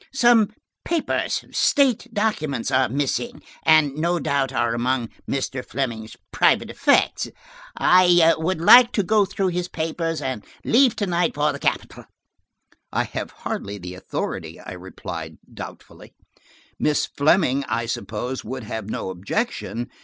Some papers–state documents–are missing, and no doubt are among Mr. Fleming's private effects. I would like to go through his papers, and leave to night for the capital." "I have hardly the authority," I replied doubtfully. "Miss Fleming, I suppose, would have no objection.